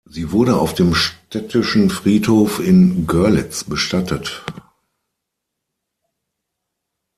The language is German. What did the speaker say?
Sie wurde auf dem Städtischen Friedhof in Görlitz bestattet.